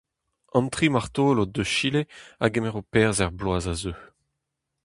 An tri martolod eus Chile a gemero perzh er bloaz a zeu.